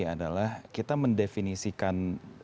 adalah kita mendefinisikan